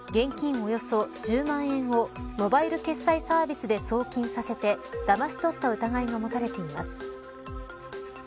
およそ１０万円をモバイル決済サービスで送金させてだまし取った疑いが持たれています。